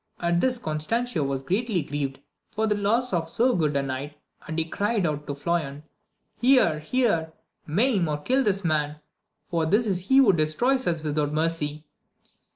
At this Constancio was greatly grieved for the loss of so good a knight, and he cried out to Floyan, Here ! here ! maim or kill this man ! for this is he who destroys us without mercy